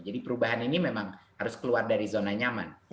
jadi perubahan ini memang harus keluar dari zona nyaman